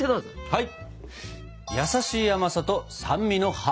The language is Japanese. はい！